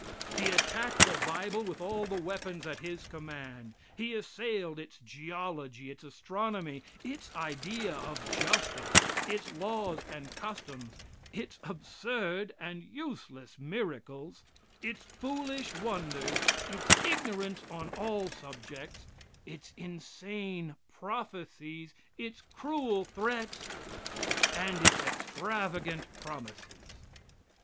He attacked the bible with all the weapons at his command. He assailed its geology, its astronomy, its idea of justice, its laws and customs, its absurd and useless miracles, its foolish wonders, its ignorance on all subjects, its insane prophecies, its cruel threats, and its extravagant promises.